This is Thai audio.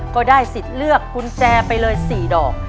ก็ได้สิทธิ์เลือกกุญแจไปเลย๔ดอก